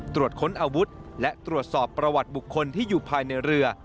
ตรวจค้นอาวุธและตรวจสอบประวัติบุคคลที่อยู่ภายในเรือ